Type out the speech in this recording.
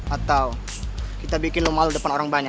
atau kita bikin lo malu depan orang banyak